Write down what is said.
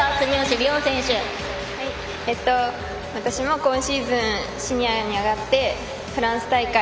私も今シーズンシニアに上がってフランス大会